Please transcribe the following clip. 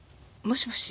もしもし？